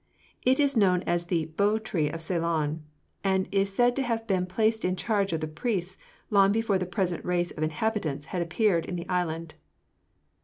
It is known as the bo tree of Ceylon, and is said to have been placed in charge of the priests long before the present race of inhabitants had appeared in the island."